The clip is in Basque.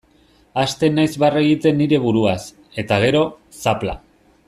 Hasten naiz barre egiten nire buruaz, eta gero, zapla.